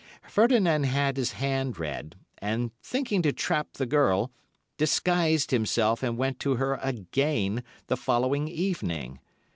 Ferdinand had his hand read, and, thinking to trap the girl, disguised himself and went to her again the following evening.